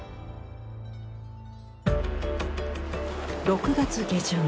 ６月下旬。